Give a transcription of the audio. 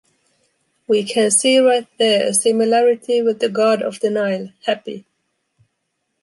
We can see right there a similarity with the God of the Nile, Hâpy.